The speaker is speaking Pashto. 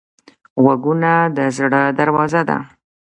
غوږونه د زړه دروازه ده